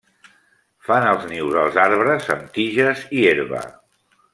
Fan els nius als arbres amb tiges i herba.